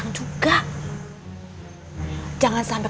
kalau kamu bener bener sayang sama dede